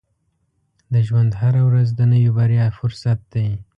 • د ژوند هره ورځ د نوې بریا فرصت دی.